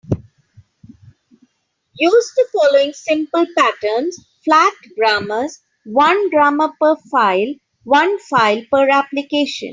Use the following simple patterns: flat grammars, one grammar per file, one file per application.